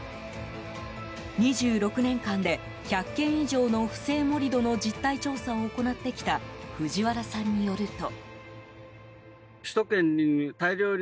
２６年間で、１００件以上の不正盛り土の実態調査を行ってきた藤原さんによると。